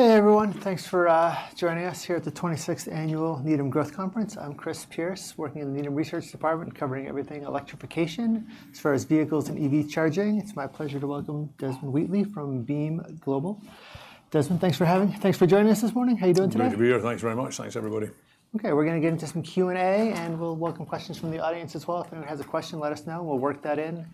Hey, everyone. Thanks for joining us here at the 26th Annual Needham Growth Conference. I'm Chris Pierce, working in the Needham Research Department, covering everything electrification as far as vehicles and EV charging. It's my pleasure to welcome Desmond Wheatley from Beam Global. Desmond, thanks for joining us this morning. How are you doing today? It's great to be here. Thanks very much. Thanks, everybody. Okay, we're gonna get into some Q&A, and we'll welcome questions from the audience as well. If anyone has a question, let us know. We'll work that in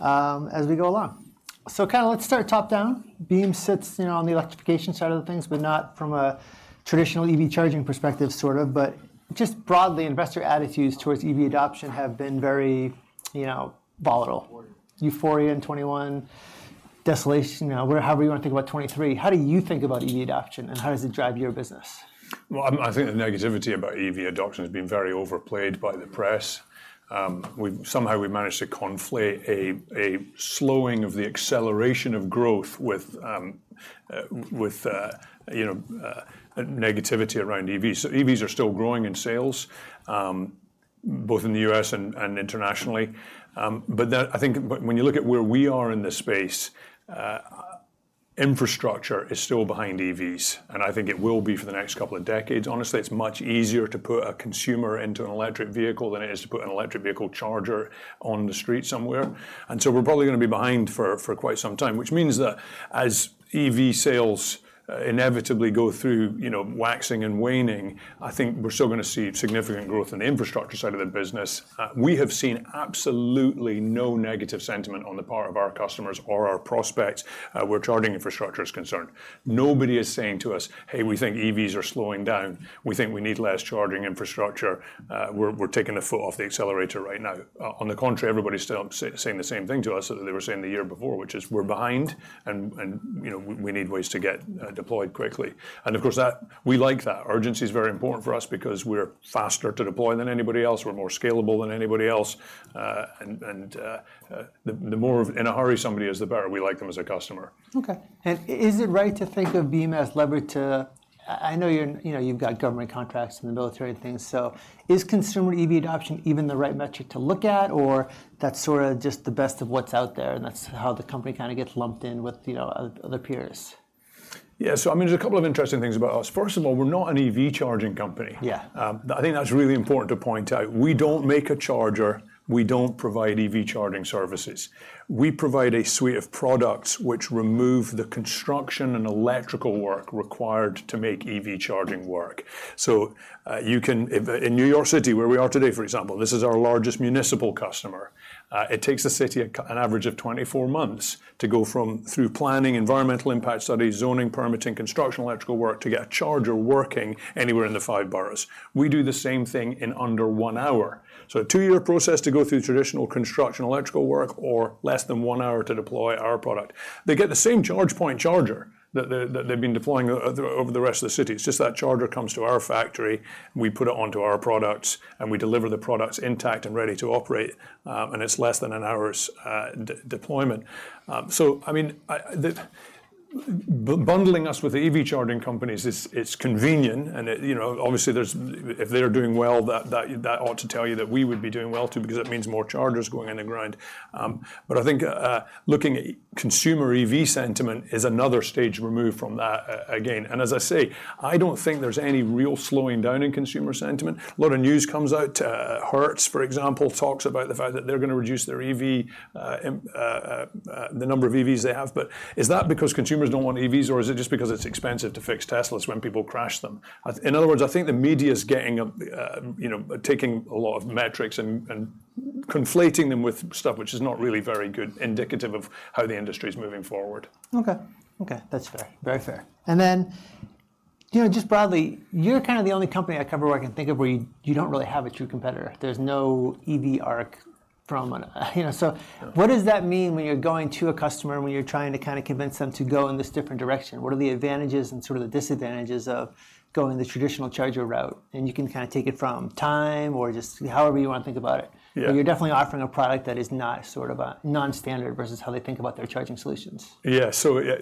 as we go along. So let's start top down. Beam sits, you know, on the electrification side of the things, but not from a traditional EV charging perspective, sort of. But just broadly, investor attitudes towards EV adoption have been very, you know, volatile. Euphoria in 2021, desolation, you know, however you want to think about 2023. How do you think about EV adoption, and how does it drive your business? Well, I think the negativity about EV adoption has been very overplayed by the press. We've somehow managed to conflate a slowing of the acceleration of growth with you know negativity around EVs. So EVs are still growing in sales both in the U.S. and internationally. But then I think when you look at where we are in this space, infrastructure is still behind EVs, and I think it will be for the next couple of decades. Honestly, it's much easier to put a consumer into an electric vehicle than it is to put an electric vehicle charger on the street somewhere. We're probably gonna be behind for quite some time, which means that as EV sales inevitably go through, you know, waxing and waning, I think we're still gonna see significant growth in the infrastructure side of the business. We have seen absolutely no negative sentiment on the part of our customers or our prospects where charging infrastructure is concerned. Nobody is saying to us: "Hey, we think EVs are slowing down. We think we need less charging infrastructure. We're taking a foot off the accelerator right now." On the contrary, everybody's still saying the same thing to us that they were saying the year before, which is we're behind and, you know, we need ways to get deployed quickly. And of course, that we like that. Urgency is very important for us because we're faster to deploy than anybody else, we're more scalable than anybody else. The more in a hurry somebody is, the better we like them as a customer. Okay. Is it right to think of Beam as lever to... I know you're, you know, you've got government contracts in the military and things, so is consumer EV adoption even the right metric to look at, or that's sorta just the best of what's out there, and that's how the company kinda gets lumped in with, you know, other peers? Yeah. So I mean, there's a couple of interesting things about us. First of all, we're not an EV charging company. Yeah. I think that's really important to point out. We don't make a charger. We don't provide EV charging services. We provide a suite of products which remove the construction and electrical work required to make EV charging work. So, you can in New York City, where we are today, for example, this is our largest municipal customer. It takes the city an average of 24 months to go through planning, environmental impact studies, zoning, permitting, construction, electrical work to get a charger working anywhere in the five boroughs. We do the same thing in under one hour. So a two-year process to go through traditional construction, electrical work, or less than one hour to deploy our product. They get the same ChargePoint charger that they've been deploying over the rest of the city. It's just that charger comes to our factory, we put it onto our products, and we deliver the products intact and ready to operate, and it's less than an hour's deployment. So I mean, bundling us with the EV charging companies, it's convenient, and, you know, obviously there's, if they're doing well, that ought to tell you that we would be doing well, too, because it means more chargers going in the ground. But I think looking at consumer EV sentiment is another stage removed from that again. And as I say, I don't think there's any real slowing down in consumer sentiment. A lot of news comes out. Hertz, for example, talks about the fact that they're gonna reduce their EV, the number of EVs they have. But is that because consumers don't want EVs, or is it just because it's expensive to fix Teslas when people crash them? In other words, I think the media's getting a, you know, taking a lot of metrics and conflating them with stuff which is not really very good indicative of how the industry is moving forward. Okay. Okay, that's fair. Very fair. And then, you know, just broadly, you're kind of the only company I cover where I can think of where you, you don't really have a true competitor. There's no EV ARC from, you know. Yeah. What does that mean when you're going to a customer, when you're trying to kinda convince them to go in this different direction? What are the advantages and sort of the disadvantages of going the traditional charger route? You can kinda take it from time or just however you want to think about it. Yeah. You're definitely offering a product that is not sort of a non-standard versus how they think about their charging solutions. Yeah.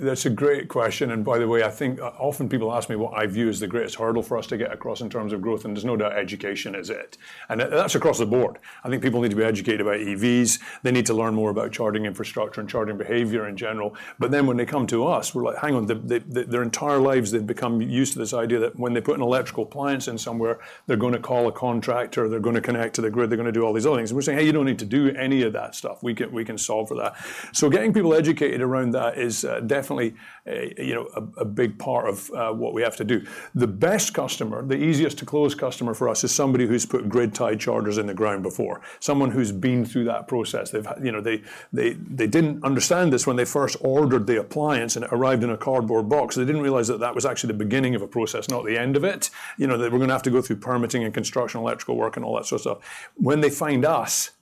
That's a great question, and by the way, I think often people ask me what I view as the greatest hurdle for us to get across in terms of growth, and there's no doubt education is it. That's across the board. I think people need to be educated about EVs. They need to learn more about charging infrastructure and charging behavior in general. Then when they come to us, we're like: Hang on. They, their entire lives, they've become used to this idea that when they put an electrical appliance in somewhere, they're gonna call a contractor, they're gonna connect to the grid, they're gonna do all these other things. We're saying: Hey, you don't need to do any of that stuff. We can solve for that. So getting people educated around that is definitely a you know big part of what we have to do. The best customer, the easiest to close customer for us is somebody who's put grid-tied chargers in the ground before. Someone who's been through that process. They've had you know they didn't understand this when they first ordered the appliance, and it arrived in a cardboard box. They didn't realize that that was actually the beginning of a process, not the end of it. You know, they were gonna have to go through permitting and construction, electrical work, and all that sort of stuff. When they find us,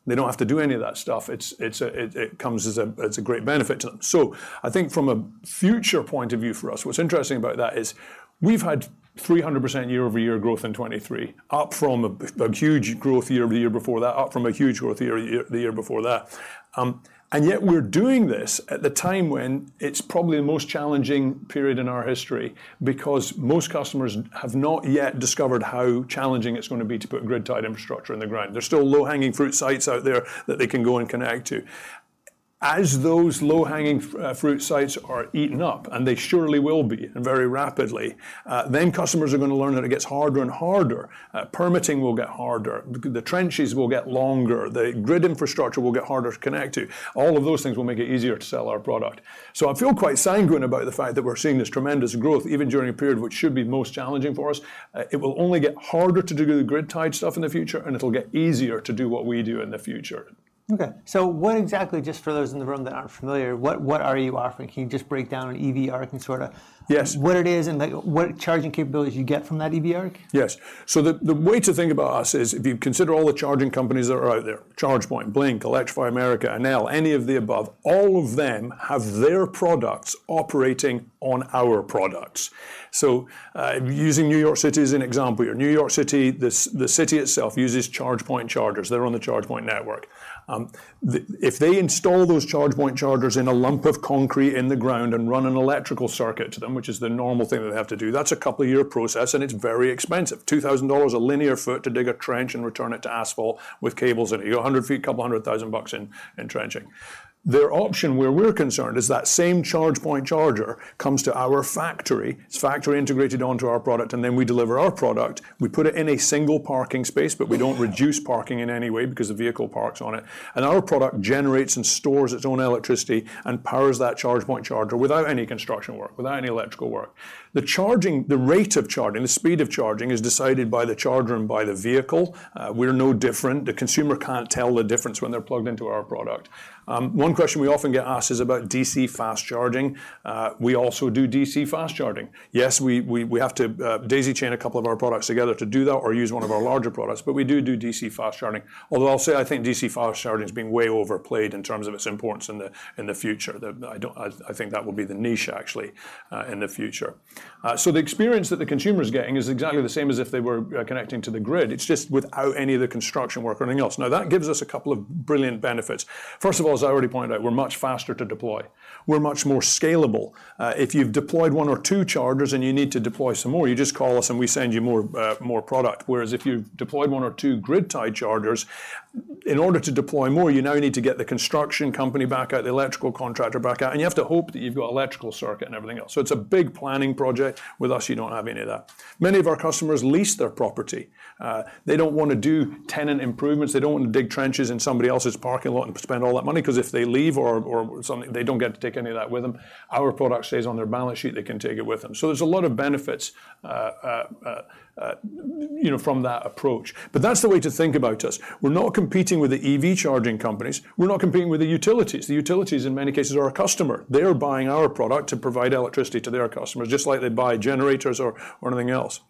they don't have to do any of that stuff. It comes as a great benefit to them. So I think from a future point of view, for us, what's interesting about that is we've had 300% year-over-year growth in 2023, up from a huge growth year over the year before that, up from a huge growth year the year before that. And yet we're doing this at the time when it's probably the most challenging period in our history, because most customers have not yet discovered how challenging it's gonna be to put grid-tied infrastructure in the ground. There's still low-hanging fruit sites out there that they can go and connect to. As those low-hanging fruit sites are eaten up, and they surely will be, and very rapidly, then customers are going to learn that it gets harder and harder. Permitting will get harder. The trenches will get longer. The grid infrastructure will get harder to connect to. All of those things will make it easier to sell our product. So I feel quite sanguine about the fact that we're seeing this tremendous growth, even during a period which should be most challenging for us. It will only get harder to do the grid-tied stuff in the future, and it'll get easier to do what we do in the future. Okay, so what exactly, just for those in the room that aren't familiar, what, what are you offering? Can you just break down an EV ARC and sorta- Yes. What it is and, like, what charging capabilities you get from that EV ARC? Yes. So the way to think about us is if you consider all the charging companies that are out there, ChargePoint, Blink, Electrify America, Enel, any of the above, all of them have their products operating on our products. So, using New York City as an example here, New York City, the city itself uses ChargePoint chargers. They're on the ChargePoint network. If they install those ChargePoint chargers in a lump of concrete in the ground and run an electrical circuit to them, which is the normal thing that they have to do, that's a couple of year process, and it's very expensive. $2,000 a linear foot to dig a trench and return it to asphalt with cables in it. You go 100 ft, couple hundred thousand bucks in trenching. Their option, where we're concerned, is that same ChargePoint charger comes to our factory. It's factory integrated onto our product, and then we deliver our product. We put it in a single parking space, but we don't reduce parking in any way because the vehicle parks on it, and our product generates and stores its own electricity and powers that ChargePoint charger without any construction work, without any electrical work. The charging, the rate of charging, the speed of charging is decided by the charger and by the vehicle. We're no different. The consumer can't tell the difference when they're plugged into our product. One question we often get asked is about DC fast charging. We also do DC fast charging. Yes, we have to daisy chain a couple of our products together to do that or use one of our larger products, but we do DC fast charging. Although I'll say I think DC fast charging is being way overplayed in terms of its importance in the future. I don't. I think that will be the niche, actually, in the future. So the experience that the consumer is getting is exactly the same as if they were connecting to the grid. It's just without any of the construction work or anything else. Now, that gives us a couple of brilliant benefits. First of all, as I already pointed out, we're much faster to deploy. We're much more scalable. If you've deployed one or two chargers and you need to deploy some more, you just call us, and we send you more, more product. Whereas if you've deployed one or two grid-tied chargers, in order to deploy more, you now need to get the construction company back out, the electrical contractor back out, and you have to hope that you've got electrical circuit and everything else. So it's a big planning project. With us, you don't have any of that. Many of our customers lease their property. They don't wanna do tenant improvements. They don't wanna dig trenches in somebody else's parking lot and spend all that money 'cause if they leave or, or something, they don't get to take any of that with them. Our product stays on their balance sheet. They can take it with them. So there's a lot of benefits, you know, from that approach. But that's the way to think about us. We're not competing with the EV charging companies. We're not competing with the utilities. The utilities, in many cases, are our customer. They are buying our product to provide electricity to their customers, just like they buy generators or anything else.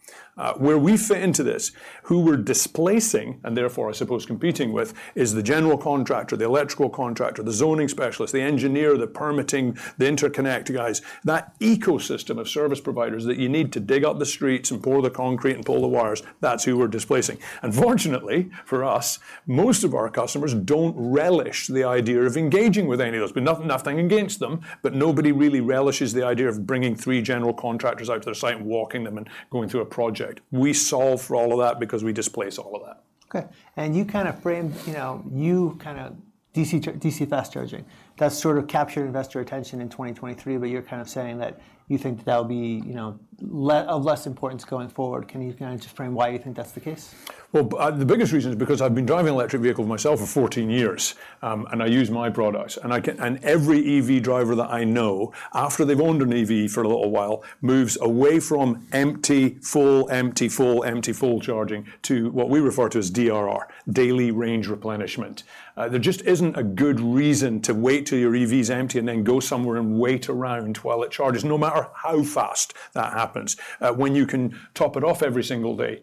Where we fit into this, who we're displacing, and therefore, I suppose, competing with, is the general contractor, the electrical contractor, the zoning specialist, the engineer, the permitting, the interconnect guys. That ecosystem of service providers that you need to dig up the streets and pour the concrete and pull the wires, that's who we're displacing. And fortunately, for us, most of our customers don't relish the idea of engaging with any of those. But nothing, nothing against them, but nobody really relishes the idea of bringing three general contractors out to their site and walking them and going through a project. We solve for all of that because we displace all of that. Okay, and you kinda framed, you know, you kinda DC fast charging, that sort of captured investor attention in 2023, but you're kind of saying that you think that'll be, you know, of less importance going forward. Can you kinda just frame why you think that's the case? Well, the biggest reason is because I've been driving an electric vehicle myself for 14 years, and I use my product, and every EV driver that I know, after they've owned an EV for a little while, moves away from empty, full, empty, full, empty, full charging, to what we refer to as DRR, daily range replenishment. There just isn't a good reason to wait till your EV's empty and then go somewhere and wait around while it charges, no matter how fast that happens, when you can top it off every single day.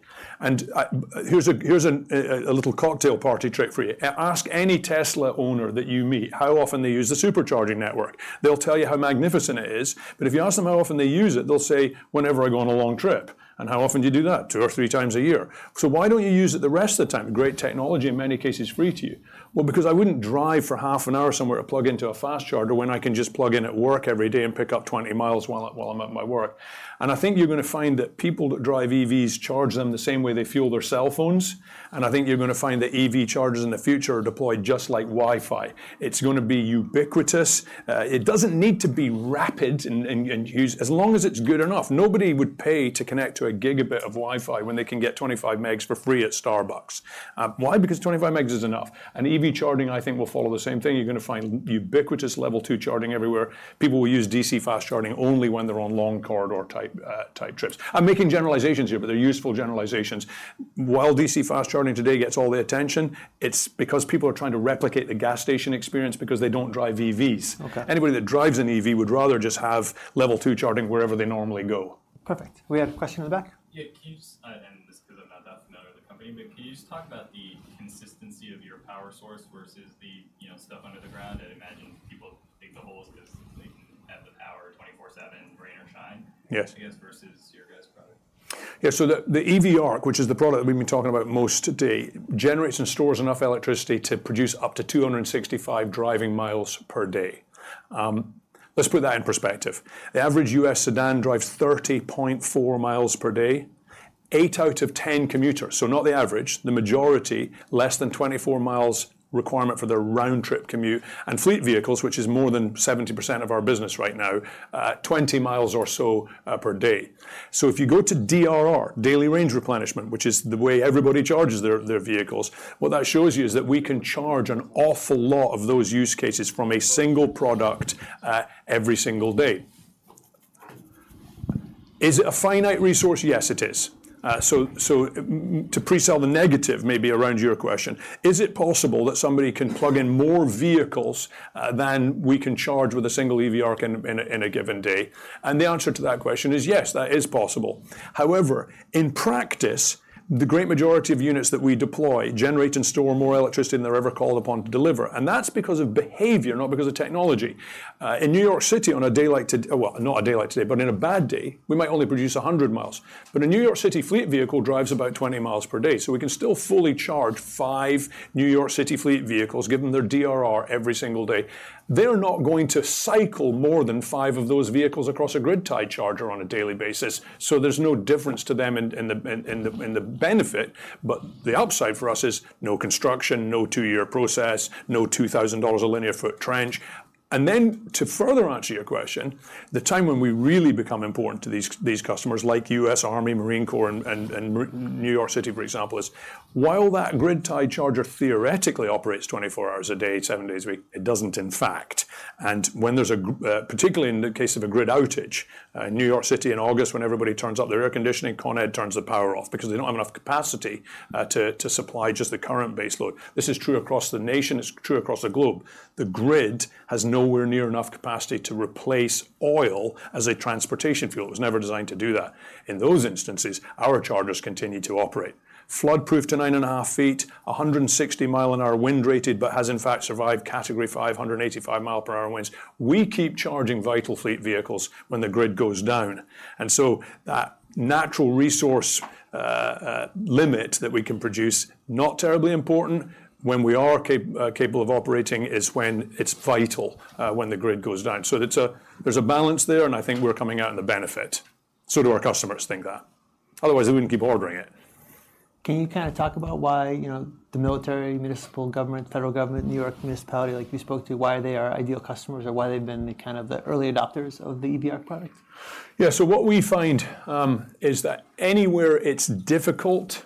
Here's a little cocktail party trick for you. Ask any Tesla owner that you meet how often they use the Supercharging network. They'll tell you how magnificent it is, but if you ask them how often they use it, they'll say, "Whenever I go on a long trip." And how often do you do that? two or three times a year. "So why don't you use it the rest of the time? Great technology, in many cases, free to you." "Well, because I wouldn't drive for half an hour somewhere to plug into a fast charger when I can just plug in at work every day and pick up 20 mi while I'm at my work." And I think you're gonna find that people that drive EVs charge them the same way they fuel their cell phones, and I think you're gonna find that EV chargers in the future are deployed just like Wi-Fi. It's gonna be ubiquitous. It doesn't need to be rapid and used, as long as it's good enough. Nobody would pay to connect to a gigabit of Wi-Fi when they can get 25 megs for free at Starbucks. Why? Because 25 megs is enough. And EV charging, I think, will follow the same thing. You're gonna find ubiquitous Level Two charging everywhere. People will use DC Fast Charging only when they're on long corridor-type trips. I'm making generalizations here, but they're useful generalizations. While DC Fast Charging today gets all the attention, it's because people are trying to replicate the gas station experience because they don't drive EVs. Okay. Anybody that drives an EV would rather just have Level Two Charging wherever they normally go. Perfect. We had a question in the back? Yeah, can you, and this is 'cause I'm not that familiar with the company, but can you just talk about the consistency of your power source versus the, you know, stuff under the ground? I'd imagine people dig the holes 'cause they have the power 24/7, rain or shine? Yeah... I guess, versus your guys' product. Yeah, so the EV ARC, which is the product that we've been talking about most today, generates and stores enough electricity to produce up to 265 mi driving per day. Let's put that in perspective. The average U.S. sedan drives 30.4 MPD. Eight out of ten commuters, so not the average, the majority, less than 24 mi requirement for their round trip commute. And fleet vehicles, which is more than 70% of our business right now, 20 mi or so per day. So if you go to DRR, daily range replenishment, which is the way everybody charges their vehicles, what that shows you is that we can charge an awful lot of those use cases from a single product every single day. Is it a finite resource? Yes, it is. So maybe to pre-sell the negative, maybe around your question, is it possible that somebody can plug in more vehicles than we can charge with a single EV ARC in a given day? The answer to that question is yes, that is possible. However, in practice, the great majority of units that we deploy generate and store more electricity than they're ever called upon to deliver, and that's because of behavior, not because of technology. In New York City, on a day like today, well, not a day like today, but in a bad day, we might only produce 100 mi. A New York City fleet vehicle drives about 20 MPD, so we can still fully charge five New York City fleet vehicles, give them their DRR every single day. They're not going to cycle more than five of those vehicles across a grid-tied charger on a daily basis, so there's no difference to them in the benefit. But the upside for us is no construction, no two-year process, no $2,000 a linear foot trench. And then, to further answer your question, the time when we really become important to these customers, like U.S. Army, Marine Corps, and New York City, for example, is while that grid-tied charger theoretically operates 24 hours a day, seven days a week, it doesn't, in fact. When there's a particularly in the case of a grid outage, in New York City, in August, when everybody turns up their air conditioning, Con Ed turns the power off because they don't have enough capacity to supply just the current base load. This is true across the nation. It's true across the globe. The grid has nowhere near enough capacity to replace oil as a transportation fuel. It was never designed to do that. In those instances, our chargers continue to operate. Flood-proof to 9.5 ft, 160 mph wind-rated, but has in fact survived Category five, 185 mph winds. We keep charging vital fleet vehicles when the grid goes down, and so that natural resource limit that we can produce, not terribly important. When we are capable of operating is when it's vital, when the grid goes down. So it's a balance there, and I think we're coming out in the benefit. So do our customers think that. Otherwise, they wouldn't keep ordering it. Can you kinda talk about why, you know, the military, municipal government, federal government, New York municipality, like you spoke to, why they are ideal customers, or why they've been the kind of the early adopters of the EV ARC products? Yeah. So what we find is that anywhere it's difficult,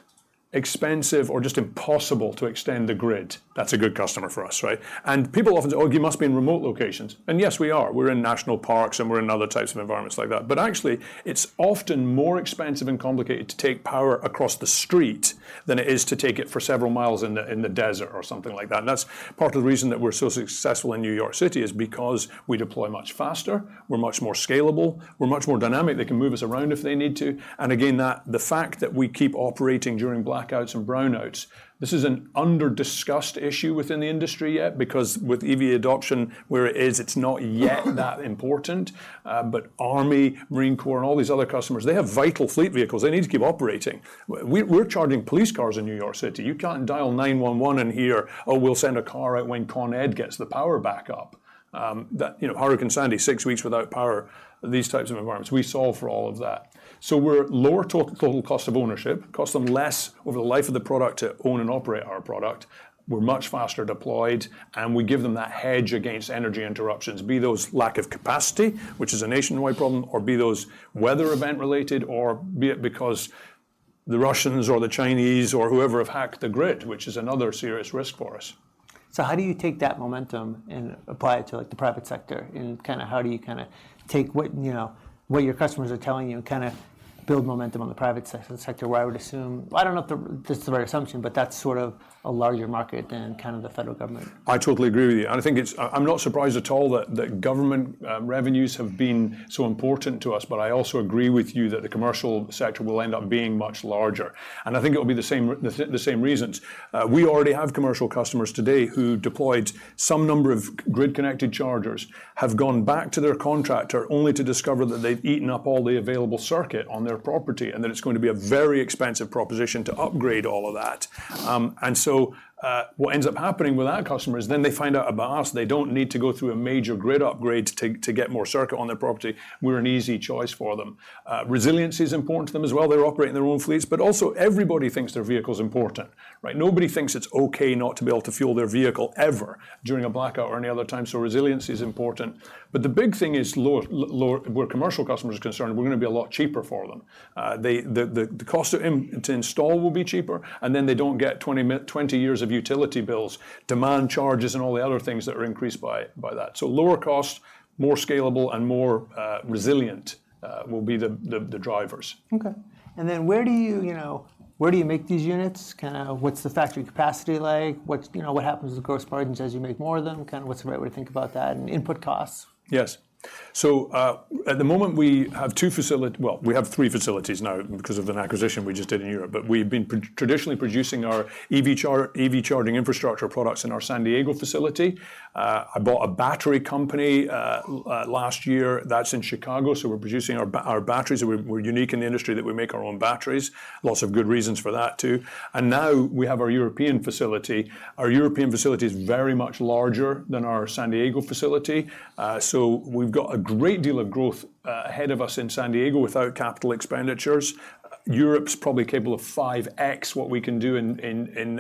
expensive, or just impossible to extend the grid, that's a good customer for us, right? And people often say, "Oh, you must be in remote locations." And yes, we are. We're in national parks, and we're in other types of environments like that. But actually, it's often more expensive and complicated to take power across the street than it is to take it for several miles in the desert or something like that. And that's part of the reason that we're so successful in New York City, is because we deploy much faster, we're much more scalable, we're much more dynamic. They can move us around if they need to. Again, the fact that we keep operating during blackouts and brownouts, this is an under-discussed issue within the industry yet, because with EV adoption where it is, it's not yet that important. But Army, Marine Corps, and all these other customers, they have vital fleet vehicles. They need to keep operating. We're charging police cars in New York City. You can't dial 911 and hear, "Oh, we'll send a car out when Con Ed gets the power back up." That, you know, Hurricane Sandy, six weeks without power, these types of environments, we solve for all of that. So we're lower total cost of ownership. Costs them less over the life of the product to own and operate our product, we're much faster deployed, and we give them that hedge against energy interruptions, be those lack of capacity, which is a nationwide problem, or be those weather event related, or be it because the Russians or the Chinese or whoever have hacked the grid, which is another serious risk for us. So how do you take that momentum and apply it to, like, the private sector? And kinda how do you kinda take what, you know, what your customers are telling you and kinda build momentum on the private sector, where I would assume... I don't know if this is the right assumption, but that's sort of a larger market than kind of the federal government. I totally agree with you, and I think it's. I'm not surprised at all that government revenues have been so important to us, but I also agree with you that the commercial sector will end up being much larger, and I think it'll be the same reasons. We already have commercial customers today who deployed some number of grid-connected chargers, have gone back to their contractor, only to discover that they've eaten up all the available circuit on their property, and that it's going to be a very expensive proposition to upgrade all of that. And so, what ends up happening with our customers, then they find out about us. They don't need to go through a major grid upgrade to get more circuit on their property. We're an easy choice for them. Resilience is important to them as well. They're operating their own fleets, but also everybody thinks their vehicle is important, right? Nobody thinks it's okay not to be able to fuel their vehicle ever during a blackout or any other time, so resilience is important. But the big thing is where commercial customer is concerned, we're gonna be a lot cheaper for them. The cost to install will be cheaper, and then they don't get 20 years of utility bills, demand charges, and all the other things that are increased by that. So lower cost, more scalable, and more resilient will be the drivers. Okay. And then where do you, you know, where do you make these units? Kinda what's the factory capacity like? What's, you know, what happens to the gross margins as you make more of them? Kinda what's the right way to think about that and input costs? Yes. So, at the moment, we have two facilities—well, we have three facilities now because of an acquisition we just did in Europe, but we've been traditionally producing our EV charging infrastructure products in our San Diego facility. I bought a battery company last year. That's in Chicago, so we're producing our batteries. We're unique in the industry that we make our own batteries. Lots of good reasons for that, too. And now we have our European facility. Our European facility is very much larger than our San Diego facility. So we've got a great deal of growth ahead of us in San Diego without capital expenditures. Europe's probably capable of 5x what we can do in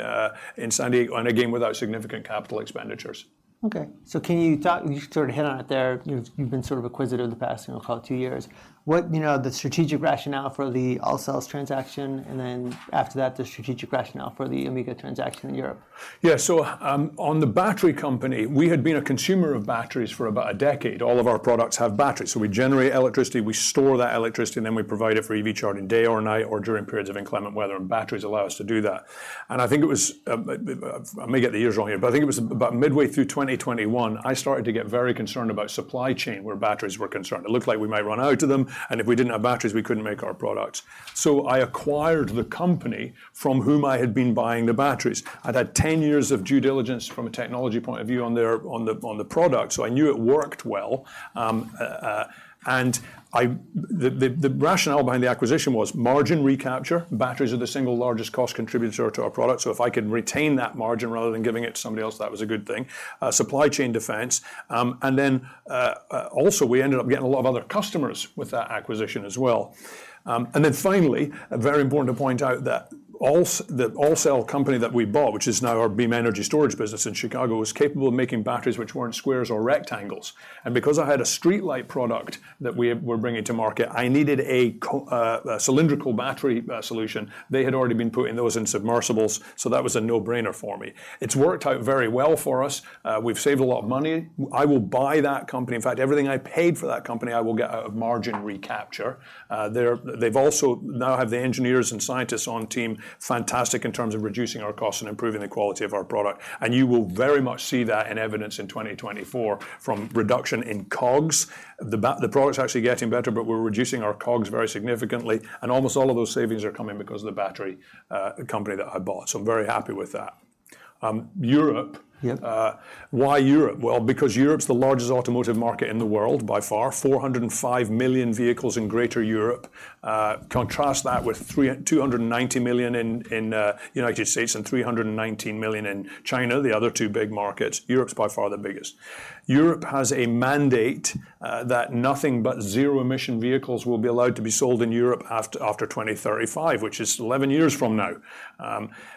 San Diego, and again, without significant capital expenditures. Okay. So can you talk, you sort of hit on it there. You've, you've been sort of acquisitive the past, I'll call it two years. What, you know, the strategic rationale for the AllCell transaction, and then after that, the strategic rationale for the Amiga transaction in Europe? Yeah. So, on the battery company, we had been a consumer of batteries for about a decade. All of our products have batteries. So we generate electricity, we store that electricity, and then we provide it for EV charging, day or night, or during periods of inclement weather, and batteries allow us to do that. And I think it was, I may get the years wrong here, but I think it was about midway through 2021, I started to get very concerned about supply chain, where batteries were concerned. It looked like we might run out of them, and if we didn't have batteries, we couldn't make our products. So I acquired the company from whom I had been buying the batteries. I'd had 10 years of due diligence from a technology point of view on the product, so I knew it worked well. The rationale behind the acquisition was margin recapture. Batteries are the single largest cost contributor to our product, so if I could retain that margin rather than giving it to somebody else, that was a good thing. Supply chain defense, and then also, we ended up getting a lot of other customers with that acquisition as well. And then finally, very important to point out that the AllCell company that we bought, which is now our Beam Energy Storage business in Chicago, was capable of making batteries which weren't squares or rectangles. Because I had a streetlight product that we were bringing to market, I needed a cylindrical battery solution. They had already been putting those in submersibles, so that was a no-brainer for me. It's worked out very well for us. We've saved a lot of money. I will buy that company. In fact, everything I paid for that company, I will get a margin recapture. They've also now have the engineers and scientists on team, fantastic in terms of reducing our costs and improving the quality of our product. And you will very much see that in evidence in 2024 from reduction in COGS. The product's actually getting better, but we're reducing our COGS very significantly, and almost all of those savings are coming because of the battery company that I bought. So I'm very happy with that. Um, Europe- Yeah. Why Europe? Well, because Europe's the largest automotive market in the world by far, 405 million vehicles in Greater Europe. Contrast that with 290 million in the United States, and 319 million in China, the other two big markets. Europe's by far the biggest. Europe has a mandate that nothing but zero-emission vehicles will be allowed to be sold in Europe after 2035, which is eleven years from now.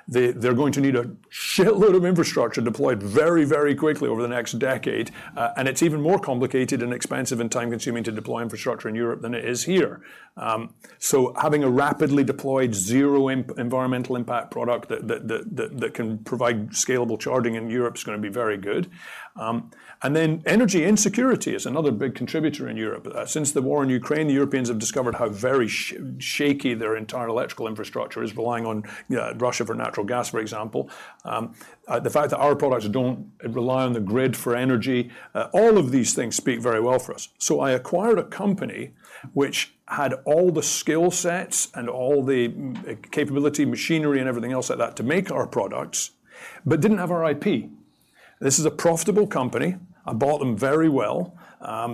They're going to need a shitload of infrastructure deployed very, very quickly over the next decade, and it's even more complicated and expensive and time-consuming to deploy infrastructure in Europe than it is here. So having a rapidly deployed zero environmental impact product that can provide scalable charging in Europe is gonna be very good. Energy insecurity is another big contributor in Europe. Since the war in Ukraine, the Europeans have discovered how very shaky their entire electrical infrastructure is, relying on, you know, Russia for natural gas, for example. The fact that our products don't rely on the grid for energy, all of these things speak very well for us. So I acquired a company which had all the skill sets and all the capability, machinery, and everything else like that, to make our products, but didn't have our IP. This is a profitable company. I bought them very well.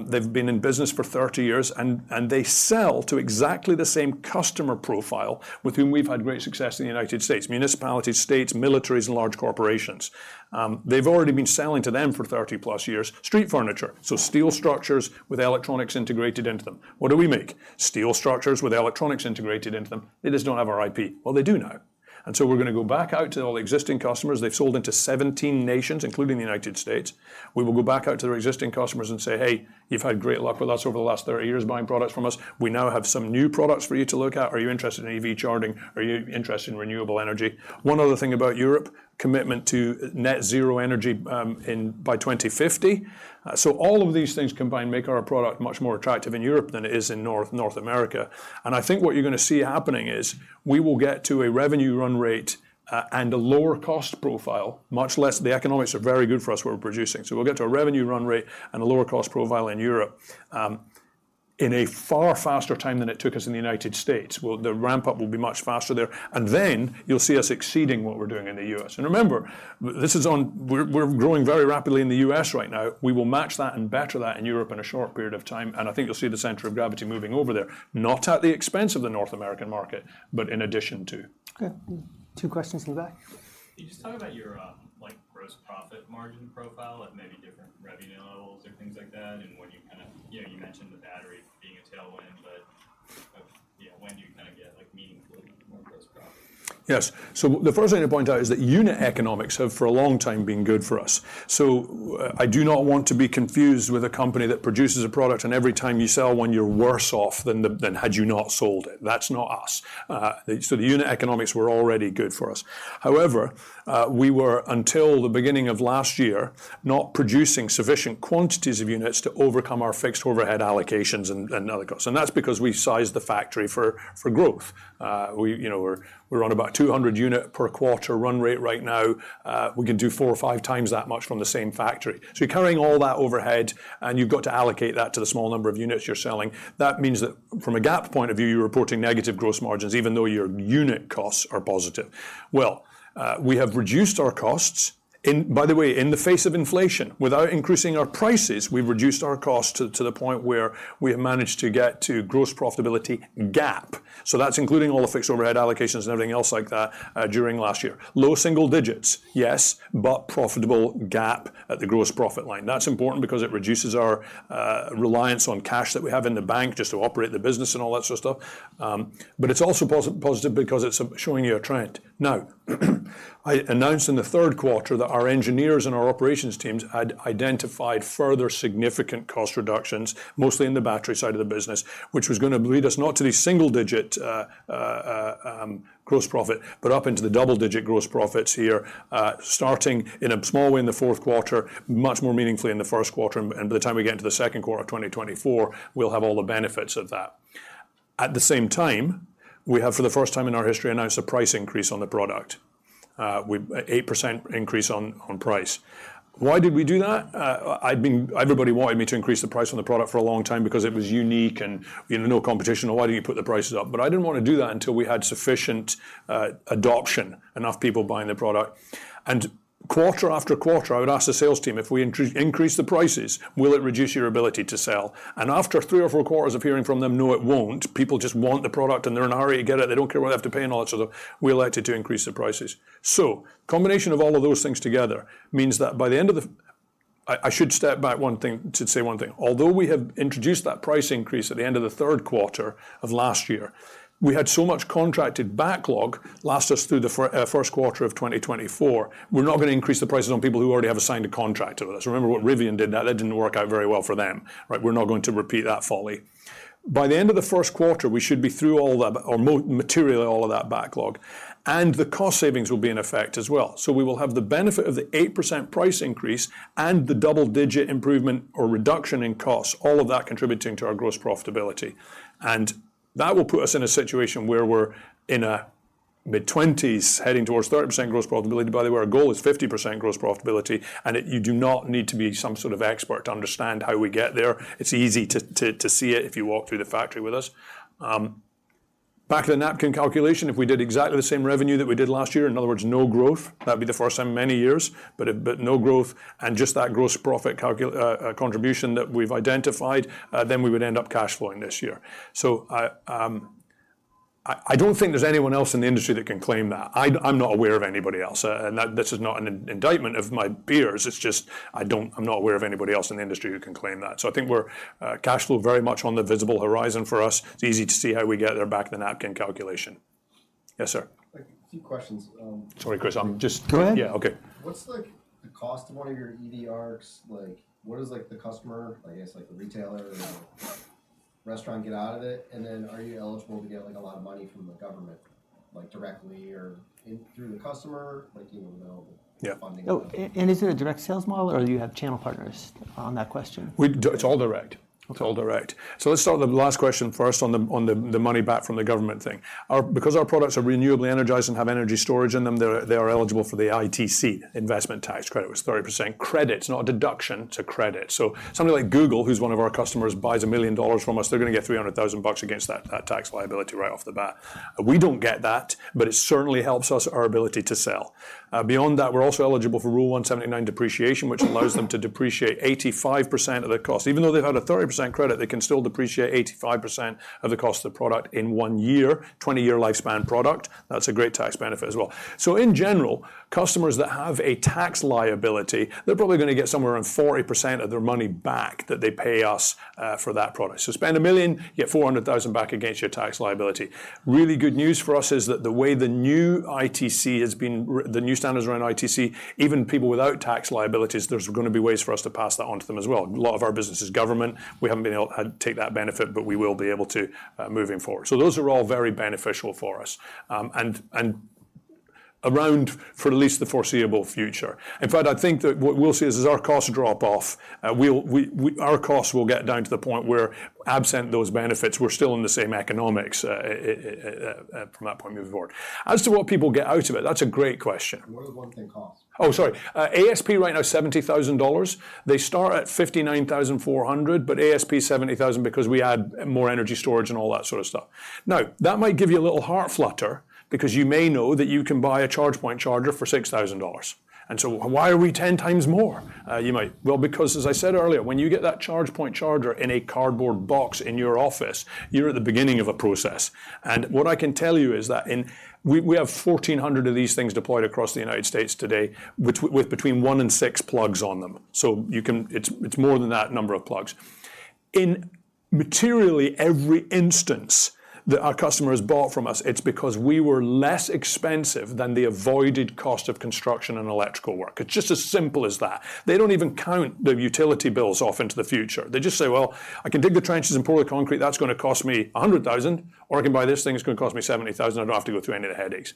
They've been in business for 30 years, and they sell to exactly the same customer profile with whom we've had great success in the United States: municipalities, states, militaries, and large corporations. They've already been selling to them for 30+ years. Street furniture, so steel structures with electronics integrated into them. What do we make? Steel structures with electronics integrated into them. They just don't have our IP. Well, they do now. And so we're gonna go back out to all the existing customers. They've sold into 17 nations, including the United States. We will go back out to their existing customers and say, "Hey, you've had great luck with us over the last 30 years buying products from us. We now have some new products for you to look at. Are you interested in EV charging? Are you interested in renewable energy?" One other thing about Europe, commitment to net zero energy, in by 2050. So all of these things combined make our product much more attractive in Europe than it is in North, North America. I think what you're gonna see happening is, we will get to a revenue run rate and a lower cost profile. The economics are very good for us, what we're producing. So we'll get to a revenue run rate and a lower cost profile in Europe in a far faster time than it took us in the United States. Well, the ramp-up will be much faster there, and then you'll see us exceeding what we're doing in the U.S. And remember, we're growing very rapidly in the U.S. right now. We will match that and better that in Europe in a short period of time, and I think you'll see the center of gravity moving over there, not at the expense of the North American market, but in addition to. Okay. Two questions in the back. Can you just talk about your, like, gross profit margin profile at maybe different revenue levels or things like that, and what you kind of... You know, you mentioned the battery being a tailwind, but, you know, when do you kind of get, like, meaningfully more gross profit? Yes. The first thing to point out is that unit economics have, for a long time, been good for us. So I do not want to be confused with a company that produces a product, and every time you sell one, you're worse off than the, than had you not sold it. That's not us. So the unit economics were already good for us. However, we were, until the beginning of last year, not producing sufficient quantities of units to overcome our fixed overhead allocations and other costs, and that's because we sized the factory for growth. We, you know, we're on about 200-unit per quarter run rate right now. We can do four or five times that much from the same factory. So you're carrying all that overhead, and you've got to allocate that to the small number of units you're selling. That means that from a GAAP point of view, you're reporting negative gross margins, even though your unit costs are positive. Well, we have reduced our costs, by the way, in the face of inflation. Without increasing our prices, we've reduced our costs to the point where we have managed to get to gross profitability GAAP. So that's including all the fixed overhead allocations and everything else like that during last year. Low single digits, yes, but profitable GAAP at the gross profit line. That's important because it reduces our reliance on cash that we have in the bank just to operate the business and all that sort of stuff. But it's also positive because it's showing you a trend. Now, I announced in the third quarter that our engineers and our operations teams had identified further significant cost reductions, mostly in the battery side of the business, which was gonna lead us not to the single-digit, gross profit, but up into the double-digit gross profits here, starting in a small way in the fourth quarter, much more meaningfully in the first quarter, and by the time we get into the second quarter of 2024, we'll have all the benefits of that. At the same time, we have, for the first time in our history, announced a price increase on the product with 8% increase on, on price. Why did we do that? I've been—everybody wanted me to increase the price on the product for a long time because it was unique and, you know, no competition, so why don't you put the prices up? But I didn't want to do that until we had sufficient adoption, enough people buying the product. And quarter after quarter, I would ask the sales team, "If we increase the prices, will it reduce your ability to sell?" And after three or four quarters of hearing from them, "No, it won't. People just want the product, and they're in a hurry to get it. They don't care what they have to pay," and all that sort of... We elected to increase the prices. So combination of all of those things together means that by the end of the—I should step back one thing, to say one thing. Although we have introduced that price increase at the end of the third quarter of last year, we had so much contracted backlog lasted us through the first quarter of 2024. We're not gonna increase the prices on people who already have signed a contract with us. Remember what Rivian did, that didn't work out very well for them, right? We're not going to repeat that folly. By the end of the first quarter, we should be through all that, or materially, all of that backlog, and the cost savings will be in effect as well. So we will have the benefit of the 8% price increase and the double-digit improvement or reduction in costs, all of that contributing to our gross profitability. That will put us in a situation where we're in a mid-20s, heading towards 30% gross profitability, by the way, our goal is 50% gross profitability, and you do not need to be some sort of expert to understand how we get there. It's easy to see it if you walk through the factory with us. Back to the napkin calculation. If we did exactly the same revenue that we did last year, in other words, no growth, that'd be the first time in many years, but no growth and just that gross profit contribution that we've identified, then we would end up cash flowing this year. So I don't think there's anyone else in the industry that can claim that. I'm not aware of anybody else. This is not an indictment of my peers. It's just I don't. I'm not aware of anybody else in the industry who can claim that. So I think we're cash flow very much on the visible horizon for us. It's easy to see how we get there, back to the napkin calculation. Yes, sir? A few questions, Sorry, Chris, I'm just- Go ahead. Yeah, okay. What's, like, the cost of one of your EV ARCs? Like, what is, like, the customer, I guess, like the retailer or restaurant, get out of it? And then are you eligible to get, like, a lot of money from the government, like, directly or indirectly through the customer, like, you know? Yeah. Funding. Oh, and is it a direct sales model or do you have channel partners on that question? It's all direct. Okay. It's all direct. So let's start the last question first on the money back from the government thing. Because our products are renewably energized and have energy storage in them, they're, they are eligible for the ITC investment tax credit. It's 30% credit, not a deduction, a credit. So somebody like Google, who's one of our customers, buys $1 million from us, they're gonna get $300,000 against that tax liability right off the bat. We don't get that, but it certainly helps our ability to sell. Beyond that, we're also eligible for Rule 179 depreciation, which allows them to depreciate 85% of their cost. Even though they've had a 30% credit, they can still depreciate 85% of the cost of the product in one year, 20-year lifespan product. That's a great tax benefit as well. So in general, customers that have a tax liability, they're probably gonna get somewhere around 40% of their money back that they pay us for that product. So spend $1 million, you get $400,000 back against your tax liability. Really good news for us is that the way the new ITC has been, the new standards around ITC, even people without tax liabilities, there's gonna be ways for us to pass that on to them as well. A lot of our business is government. We haven't been able to take that benefit, but we will be able to moving forward. So those are all very beneficial for us. And around for at least the foreseeable future. In fact, I think that what we'll see is our costs drop off. Our costs will get down to the point where, absent those benefits, we're still in the same economics, from that point moving forward. As to what people get out of it, that's a great question. What does one thing cost? Oh, sorry. ASP right now, $70,000. They start at $59,400, but ASP $70,000 because we add more energy storage and all that sort of stuff. Now, that might give you a little heart flutter because you may know that you can buy a ChargePoint charger for $6,000. And so why are we 10x more? You might... Well, because as I said earlier, when you get that ChargePoint charger in a cardboard box in your office, you're at the beginning of a process. And what I can tell you is that we have 1,400 of these things deployed across the United States today, which with between one and six plugs on them. It's more than that number of plugs. In materially every instance that our customer has bought from us, it's because we were less expensive than the avoided cost of construction and electrical work. It's just as simple as that. They don't even count the utility bills off into the future. They just say: Well, I can dig the trenches and pour the concrete. That's gonna cost me $100,000, or I can buy this thing, it's gonna cost me $70,000. I don't have to go through any of the headaches.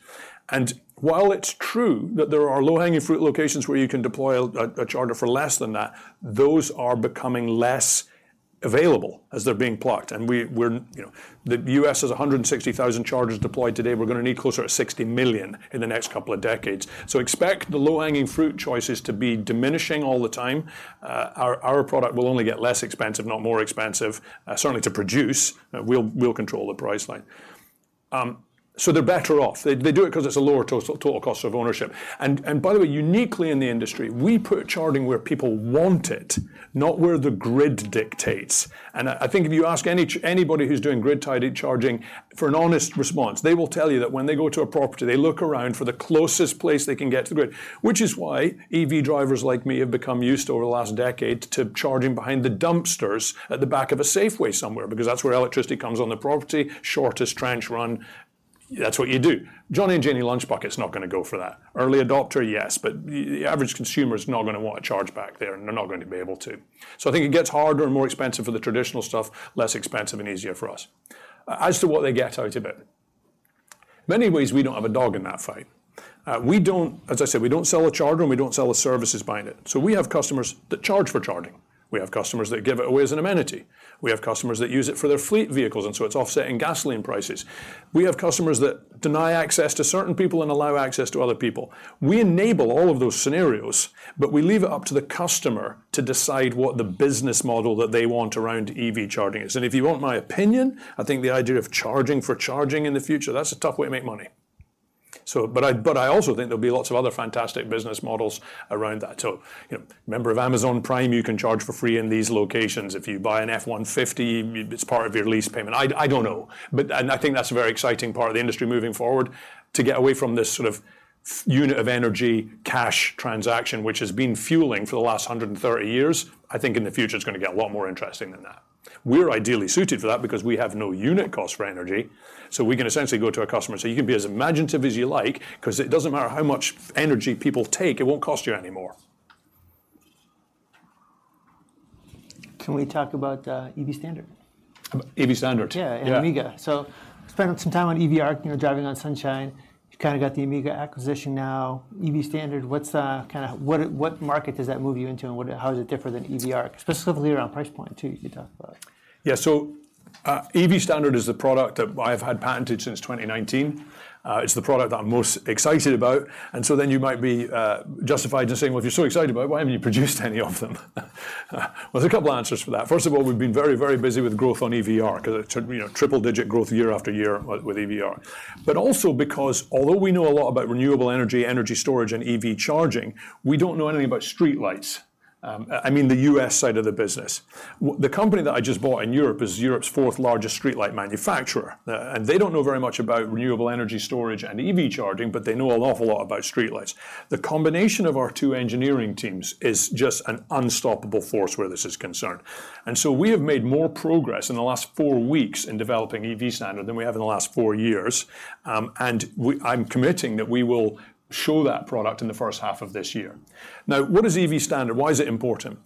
And while it's true that there are low-hanging fruit locations where you can deploy a charger for less than that, those are becoming less available as they're being plucked, and we're, you know... The U.S. has 160,000 chargers deployed today. We're gonna need closer to 60 million in the next couple of decades. So expect the low-hanging fruit choices to be diminishing all the time. Our product will only get less expensive, not more expensive, certainly to produce. We'll control the price line. So they're better off. They do it 'cause it's a lower total cost of ownership. And by the way, uniquely in the industry, we put charging where people want it, not where the grid dictates. And I think if you ask anybody who's doing grid-tied charging for an honest response, they will tell you that when they go to a property, they look around for the closest place they can get to the grid. Which is why EV drivers like me have become used to, over the last decade, to charging behind the dumpsters at the back of a Safeway somewhere, because that's where electricity comes on the property, shortest trench run, that's what you do. Johnny and Jenny Lunchbucket is not gonna go for that. Early adopter, yes, but the average consumer is not gonna want to charge back there, and they're not going to be able to. So I think it gets harder and more expensive for the traditional stuff, less expensive and easier for us. As to what they get out of it. Many ways, we don't have a dog in that fight. We don't, as I said, we don't sell a charger, and we don't sell the services behind it. So we have customers that charge for charging. We have customers that give it away as an amenity. We have customers that use it for their fleet vehicles, and so it's offsetting gasoline prices. We have customers that deny access to certain people and allow access to other people. We enable all of those scenarios, but we leave it up to the customer to decide what the business model that they want around EV charging is. And if you want my opinion, I think the idea of charging for charging in the future, that's a tough way to make money. But I also think there'll be lots of other fantastic business models around that. So, you know, member of Amazon Prime, you can charge for free in these locations. If you buy an F-150, it's part of your lease payment. I don't know. And I think that's a very exciting part of the industry moving forward to get away from this sort of unit of energy, cash transaction, which has been fueling for the last 130 years. I think in the future, it's gonna get a lot more interesting than that. We're ideally suited for that because we have no unit cost for energy, so we can essentially go to our customer. So you can be as imaginative as you like, 'cause it doesn't matter how much energy people take, it won't cost you any more. Can we talk about EV Standard? About EV Standard? Yeah. Yeah. Amiga. So spent some time on EV ARC, you know, driving on sunshine. You've kinda got the Amiga acquisition now, EV Standard. What kind of market does that move you into and how is it different than EV ARC, specifically around price point too, you talk about? Yeah, so, EV Standard is the product that I've had patented since 2019. It's the product that I'm most excited about, and so then you might be justified in saying, "Well, if you're so excited about it, why haven't you produced any of them?" Well, there's a couple of answers for that. First of all, we've been very, very busy with growth on EV ARC because it's, you know, triple-digit growth year after year with EV ARC. But also because although we know a lot about renewable energy, energy storage, and EV charging, we don't know anything about streetlights. I mean, the U.S. side of the business. The company that I just bought in Europe is Europe's fourth largest streetlight manufacturer, and they don't know very much about renewable energy storage and EV charging, but they know an awful lot about streetlights. The combination of our two engineering teams is just an unstoppable force where this is concerned. And so we have made more progress in the last four weeks in developing EV Standard than we have in the last four years. I'm committing that we will show that product in the first half of this year. Now, what is EV Standard? Why is it important?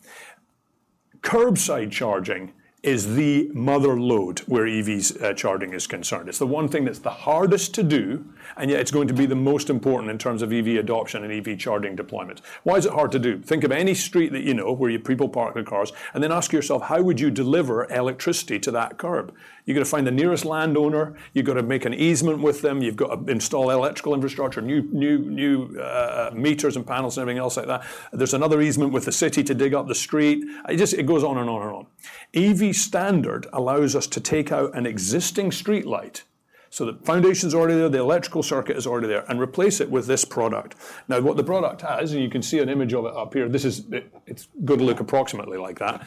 Curbside charging is the mother lode where EVs charging is concerned. It's the one thing that's the hardest to do, and yet it's going to be the most important in terms of EV adoption and EV charging deployment. Why is it hard to do? Think of any street that you know, where people park their cars, and then ask yourself, how would you deliver electricity to that curb? You've got to find the nearest landowner, you've got to make an easement with them, you've got to install electrical infrastructure, new, new, new, meters and panels, and everything else like that. There's another easement with the city to dig up the street. It just, it goes on and on and on. EV Standard allows us to take out an existing streetlight, so the foundation's already there, the electrical circuit is already there, and replace it with this product. Now, what the product has, and you can see an image of it up here, this is it, it's gonna look approximately like that.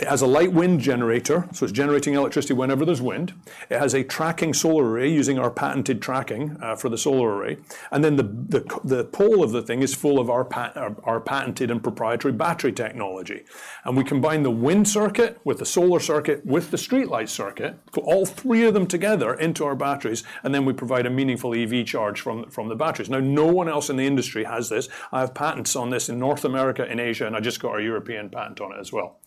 It has a light wind generator, so it's generating electricity whenever there's wind. It has a tracking solar array, using our patented tracking for the solar array. And then the pole of the thing is full of our patented and proprietary battery technology. And we combine the wind circuit with the solar circuit with the streetlight circuit, put all three of them together into our batteries, and then we provide a meaningful EV charge from the batteries. Now, no one else in the industry has this. I have patents on this in North America and Asia, and I just got a European patent on it as well.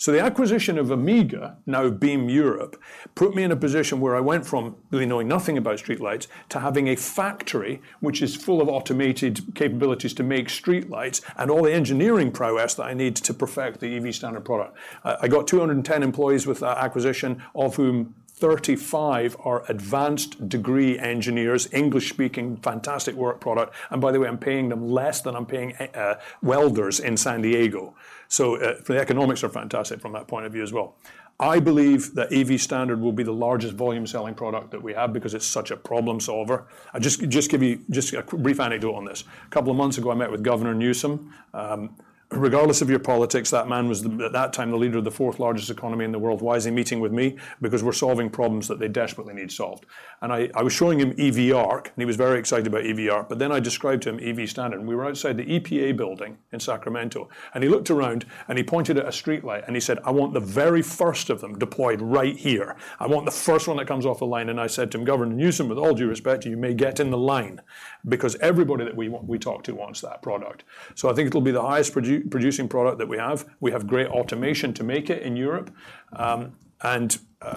So the acquisition of Amiga, now Beam Europe, put me in a position where I went from really knowing nothing about streetlights to having a factory which is full of automated capabilities to make streetlights, and all the engineering prowess that I need to perfect the EV Standard product. I got 210 employees with that acquisition, of whom 35 are advanced degree engineers, English speaking, fantastic work product. And by the way, I'm paying them less than I'm paying welders in San Diego. So, the economics are fantastic from that point of view as well. I believe that EV Standard will be the largest volume selling product that we have because it's such a problem solver. I'll just, just give you just a quick brief anecdote on this. A couple of months ago, I met with Governor Newsom. Regardless of your politics, that man was at that time the leader of the fourth largest economy in the world. Why is he meeting with me? Because we're solving problems that they desperately need solved. And I was showing him EV ARC, and he was very excited about EV ARC, but then I described to him EV Standard, and we were outside the EPA building in Sacramento, and he looked around and he pointed at a streetlight and he said: "I want the very first of them deployed right here. I want the first one that comes off the line." And I said to him: "Governor Newsom, with all due respect, you may get in the line, because everybody that we talk to wants that product." So I think it'll be the highest producing product that we have. We have great automation to make it in Europe.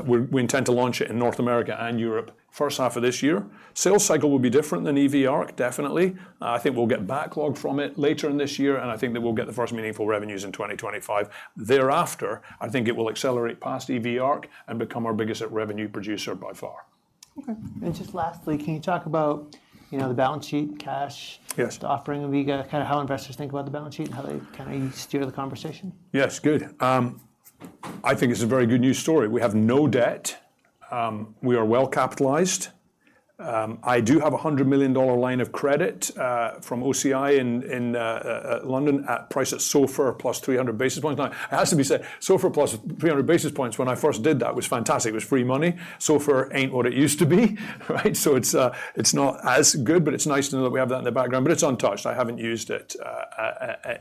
We intend to launch it in North America and Europe, first half of this year. Sales cycle will be different than EV ARC, definitely. I think we'll get backlog from it later in this year, and I think that we'll get the first meaningful revenues in 2025. Thereafter, I think it will accelerate past EV ARC and become our biggest revenue producer by far. Okay. Just lastly, can you talk about, you know, the balance sheet, cash? Yes... the offering of Amiga, kind of how investors think about the balance sheet and how they kind of steer the conversation? Yes, good. I think it's a very good news story. We have no debt. We are well capitalized. I do have a $100 million line of credit from Oci in London, priced at SOFR +300 basis points. Now, it has to be said, SOFR + 300 basis points when I first did that, was fantastic. It was free money. SOFR ain't what it used to be, right? So it's not as good, but it's nice to know that we have that in the background, but it's untouched. I haven't used it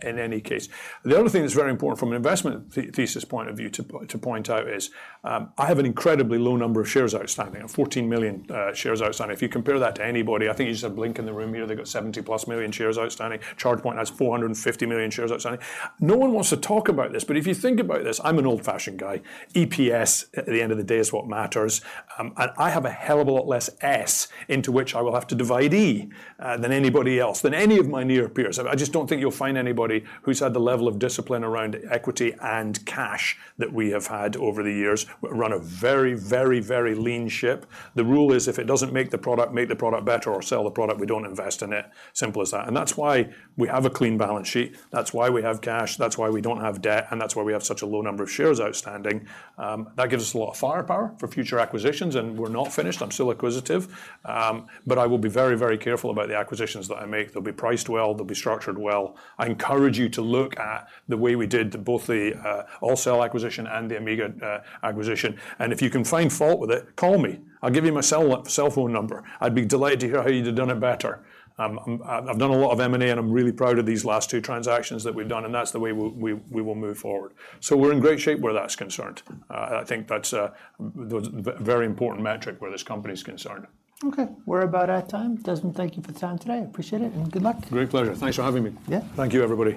in any case. The other thing that's very important from an investment thesis point of view, to point out is, I have an incredibly low number of shares outstanding, 14 million shares outstanding. If you compare that to anybody, I think you just have Blink in the room here, they've got 70+ million shares outstanding. ChargePoint has 450 million shares outstanding. No one wants to talk about this, but if you think about this, I'm an old-fashioned guy. EPS, at the end of the day, is what matters. And I have a hell of a lot less S into which I will have to divide E, than anybody else, than any of my near peers. I just don't think you'll find anybody who's had the level of discipline around equity and cash that we have had over the years. We run a very, very, very lean ship. The rule is, if it doesn't make the product, make the product better or sell the product, we don't invest in it. Simple as that. That's why we have a clean balance sheet, that's why we have cash, that's why we don't have debt, and that's why we have such a low number of shares outstanding. That gives us a lot of firepower for future acquisitions, and we're not finished. I'm still acquisitive. But I will be very, very careful about the acquisitions that I make. They'll be priced well, they'll be structured well. I encourage you to look at the way we did both the AllCell acquisition and the Amiga acquisition. If you can find fault with it, call me. I'll give you my cell phone number. I'd be delighted to hear how you'd have done it better. I've done a lot of M&A, and I'm really proud of these last two transactions that we've done, and that's the way we will move forward. So we're in great shape where that's concerned. I think that's a very important metric where this company is concerned. Okay. We're about out of time. Desmond, thank you for the time today. I appreciate it, and good luck. Great pleasure. Thanks for having me. Yeah. Thank you, everybody.